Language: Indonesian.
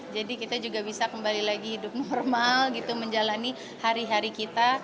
jadi kita juga bisa kembali lagi hidup normal gitu menjalani hari hari kita